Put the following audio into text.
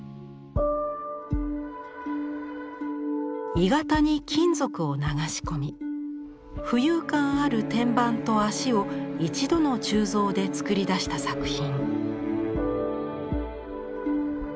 鋳型に金属を流し込み浮遊感ある天板と脚を一度の鋳造で作り出した作品。